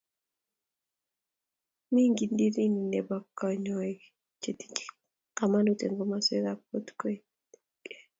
Mi ngengirindi nebo konyoik chetinye komonut eng komoswekab kokwet